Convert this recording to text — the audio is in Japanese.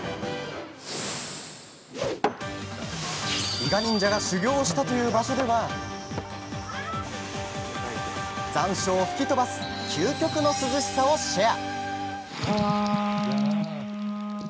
伊賀忍者が修行をしたという場所では残暑を吹き飛ばす究極の涼しさをシェア。